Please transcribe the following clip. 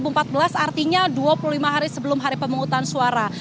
empat belas maret dua ribu empat belas artinya dua puluh lima hari sebelum hari pemungutan suara